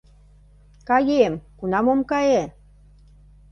— Каем, кунам ом кае!..